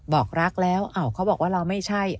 บอกรักแล้วเขาบอกว่าเราไม่ใช่